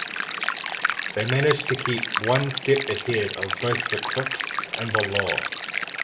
They manage to keep one step ahead of both the crooks and the law.